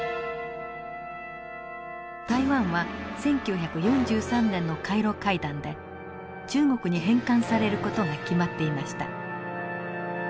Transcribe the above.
台湾は１９４３年のカイロ会談で中国に返還される事が決まっていました。